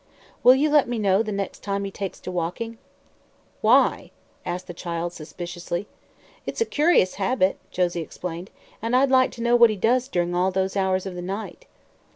"Will you let me know, the next time he takes to walking?" "Why?" asked the child, suspiciously. "It's a curious habit," Josie explained, "and I'd like to know what he does during all those hours of the night."